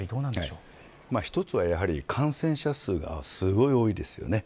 一つはやはり感染者数がすごい多いですよね。